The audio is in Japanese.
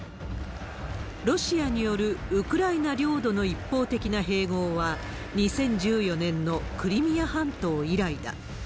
ロシアによるウクライナ領土の一方的な併合は、２０１４年のクリミア半島以来だ。